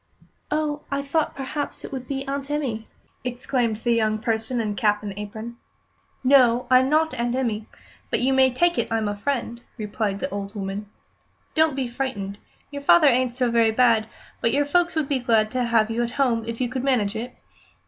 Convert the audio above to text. "Oh, I thought perhaps it would be Aunt Emmy!" exclaimed the young person in cap and apron. "No, I'm not Aunt Emmy, but you may take it I'm a friend," replied the old woman. "Don't be frightened. Your father ain't so very bad, but your folks would be glad to have you at home if you could manage it.